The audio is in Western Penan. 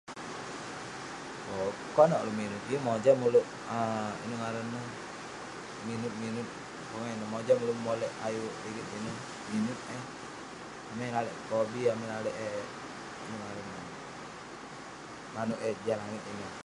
Owk, konak ulouk minut. Yeng mojam ulouk um inouk ngaran neh minut-minut, pongah ineh mojam ulouk molek ayuk rigit ineh. Minut eh, amai lalek pekobi, amai lalek eh- inouk ngaran- manouk eh jah langit ineh.